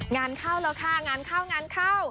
งานเข้าแล้วค่ะงานเข้างานเข้า